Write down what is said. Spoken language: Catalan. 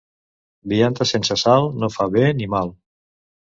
Vianda sense sal no fa bé ni mal.